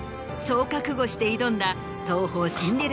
そう覚悟して挑んだ。